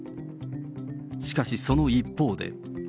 しかし、その一方で。